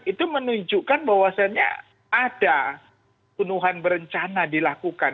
itu menunjukkan bahwasannya ada pembunuhan berencana dilakukan